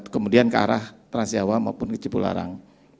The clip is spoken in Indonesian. kemudian ke arah trans jawa maupun cipularang